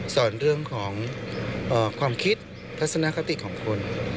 สอนเรื่องของความคิดทัศนคติของคน